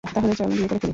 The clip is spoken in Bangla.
তাহলে চল বিয়ে করে ফেলি।